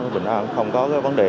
bình an không có vấn đề